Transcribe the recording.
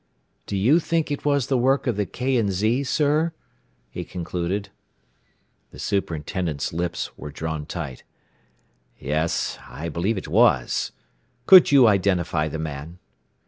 "Do you think it was the work of the K. & Z., sir?" he concluded. The superintendent's lips were drawn tight. "Yes; I believe it was. Could you identify the man?"